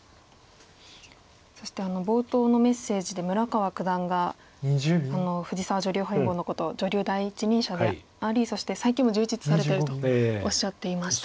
そして冒頭のメッセージで村川九段が藤沢女流本因坊のことを「女流の第一人者でありそして最近も充実されている」とおっしゃっていましたが。